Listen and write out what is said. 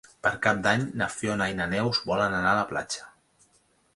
Per Cap d'Any na Fiona i na Neus volen anar a la platja.